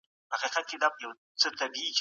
او تمویلوي. ځیني ناخبره هيوادوال دا اصطلاحات